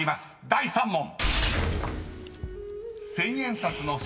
第３問］